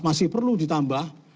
masih perlu ditambah